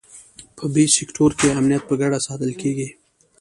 په بي سیکټور کې امنیت په ګډه ساتل کېږي.